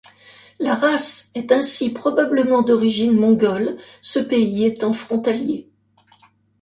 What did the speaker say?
La race est ainsi probablement d'origine mongole, ce pays étant frontalier.